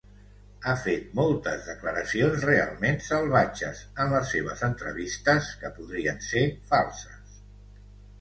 Ha fet moltes declaracions realment salvatges en les seves entrevistes que podrien ser falses.